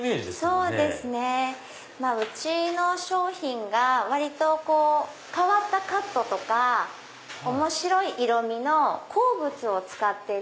うちの商品が割と変わったカットとか面白い色みの鉱物を使ってる。